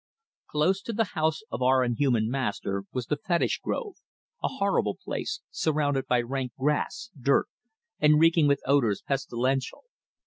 Close to the house of our inhuman master was the fetish grove, a horrible place, surrounded by rank grass, dirt, and reeking with odours pestilential.